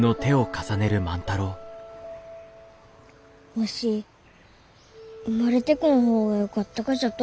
わし生まれてこん方がよかったがじゃと。